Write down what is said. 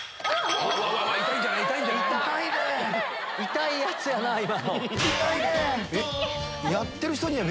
痛いやつやな今の。